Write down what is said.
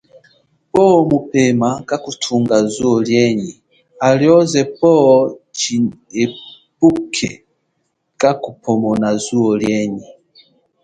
Powo mupema kakuthunga zuo lienyi halioze poho tshihepuke kakuphomona zuo lienyi.